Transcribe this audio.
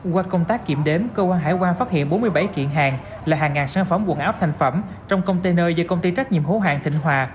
qua công tác kiểm đếm cơ quan hải quan phát hiện bốn mươi bảy kiện hàng là hàng ngàn sản phẩm quần áo thành phẩm trong container do công ty trách nhiệm hữu hạng thịnh hòa